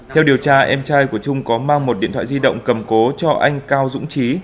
theo điều tra em trai của trung có mang một điện thoại di động cầm cố cho anh cao dũng trí